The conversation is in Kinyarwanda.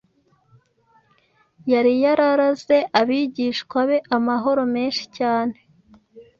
yari yararaze abigishwa be amahoro menshi cyane